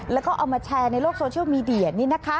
แล้วก็เอามาแชร์ในโลกโซเชียลมีเดีย